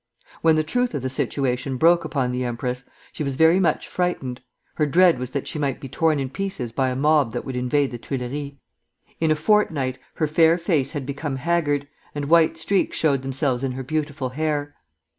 When the truth of the situation broke upon the empress, she was very much frightened. Her dread was that she might be torn in pieces by a mob that would invade the Tuileries. In a fortnight her fair face had become haggard, and white streaks showed themselves in her beautiful hair.